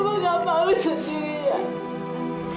mama nggak mau sendirian